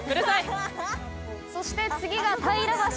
そして次が平橋。